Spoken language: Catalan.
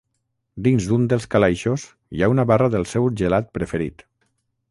Dins d'un dels calaixos hi ha una barra del seu gelat preferit.